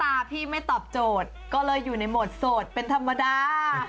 พี่ไม่ตอบโจทย์ก็เลยอยู่ในโหมดโสดเป็นธรรมดา